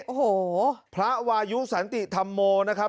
โอ้โหพระวายุสันติธรรมโมนะครับ